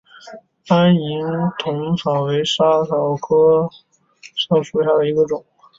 安宁薹草为莎草科薹草属下的一个种。